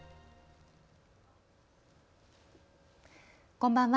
こんばんは。